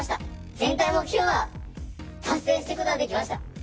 全体目標は達成することができました。